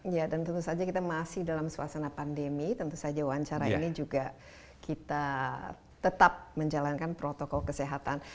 ya dan tentu saja kita masih dalam suasana pandemi tentu saja wawancara ini juga kita tetap menjalankan protokol kesehatan